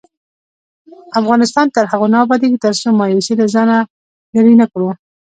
افغانستان تر هغو نه ابادیږي، ترڅو مایوسي له ځانه لیرې نکړو.